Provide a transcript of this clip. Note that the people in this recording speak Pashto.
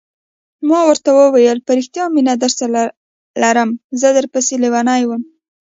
ما ورته وویل: په رښتیا مینه درسره لرم، زه در پسې لیونی وم.